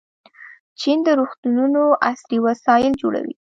چین د روغتونونو عصري وسایل جوړوي.